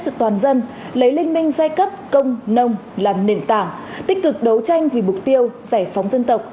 sự toàn dân lấy liên minh giai cấp công nông làm nền tảng tích cực đấu tranh vì mục tiêu giải phóng dân tộc